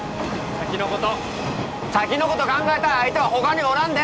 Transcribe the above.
先のこと先のこと考えたい相手は他におらんで！